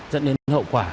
dẫn đến hậu quả